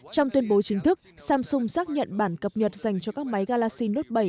trong tuyên bố chính thức samsung xác nhận bản cập nhật dành cho các máy galaxy note bảy